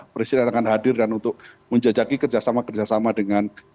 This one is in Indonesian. presiden akan hadir dan untuk menjajaki kerjasama kerjasama dengan